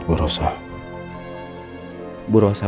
bukannya tidak akan terlalu baik